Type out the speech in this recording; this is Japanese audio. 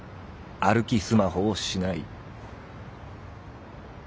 歩きスマホをしない」。